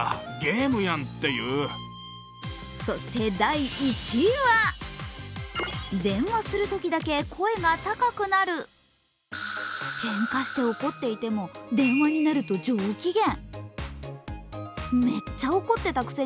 そして第１位はけんかして怒っていても、電話になると上機嫌。